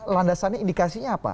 landasannya indikasinya apa